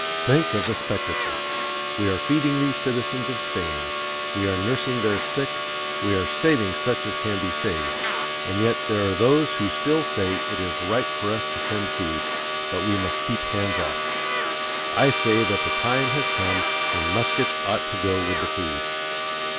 Think of the spectacle! We are feeding these citizens of Spain; we are nursing their sick; we are saving such as can be saved, and yet there are those who still say it is right for us to send food, but we must keep hands off. I say that the time has come when muskets ought to go with the food.